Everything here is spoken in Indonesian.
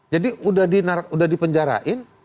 jadi udah di penjarain